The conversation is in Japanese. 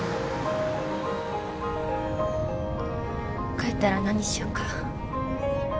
帰ったら何しようか？